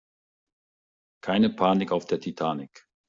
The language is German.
Keine Panik auf der Titanic!